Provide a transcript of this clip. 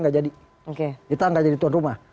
gak jadi oke kita gak jadi tuan rumah